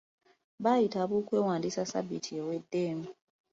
Baayita ab'okwewandiisa sabbiti ewedde.